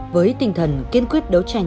với tinh thần kiên quyết đấu tranh